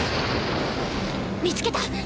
見つけた！